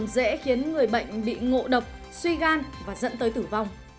dễ khiến người bệnh bị ngộ độc suy gan và dẫn tới tử vong